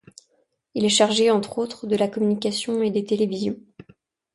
Il est chargé, entre autres, de la communication et des télévisions.